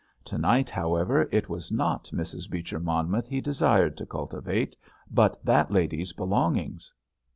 To night, however, it was not Mrs. Beecher Monmouth he desired to cultivate, but that lady's belongings.